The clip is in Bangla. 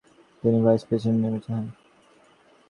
তিনি ভাইস প্রেসিডিন্ট নির্বাচিত হন।